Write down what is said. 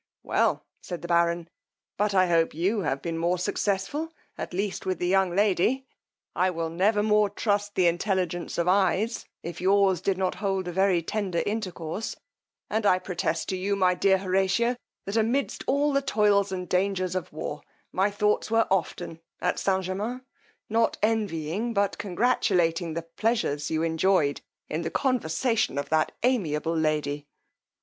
Well, said the baron, but I hope you have been more successful, at least with the young lady: I will never more trust the intelligence of eyes, if yours did not hold a very tender intercourse; and I protest to you, my dear Horatio, that amidst all the toils and dangers of war, my thoughts were often at St. Germains, not envying, but congratulating the pleasures you enjoyed in the conversation of that amiable lady.